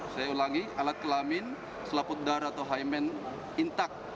saya ulangi alat kelamin selaput darah atau hymen intak